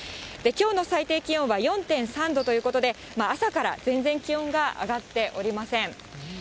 きょうの最低気温は４．３度ということで、朝から全然気温が上がっておりません。